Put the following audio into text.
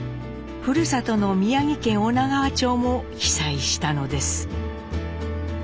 ふるさとの宮城県女川町も被災したのです。